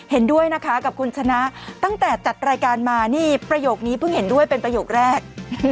เห็นด้วยนะคะกับคุณชนะตั้งแต่จัดรายการมานี่ประโยคนี้เพิ่งเห็นด้วยเป็นประโยคแรก